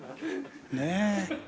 ねえ。